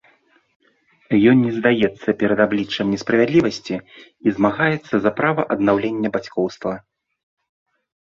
Ён не здаецца перад абліччам несправядлівасці і змагаецца за права аднаўлення бацькоўства.